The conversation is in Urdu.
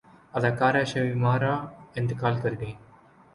اداکارہ شمیم ارا انتقال کرگئیں